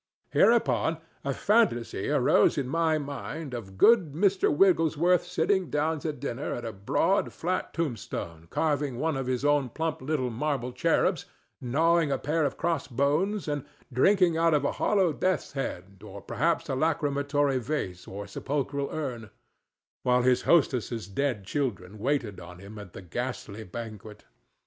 Hereupon a fantasy arose in my mind of good Mr. Wigglesworth sitting down to dinner at a broad, flat tombstone carving one of his own plump little marble cherubs, gnawing a pair of crossbones and drinking out of a hollow death's head or perhaps a lachrymatory vase or sepulchral urn, while his hostess's dead children waited on him at the ghastly banquet.